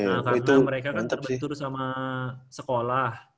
nah karena mereka kan terbentur sama sekolah